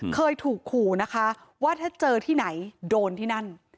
เคยถูกขู่นะคะว่าถ้าเจอที่ไหนโดนที่นั่น